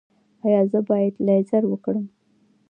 ایا زه باید لیزر وکړم؟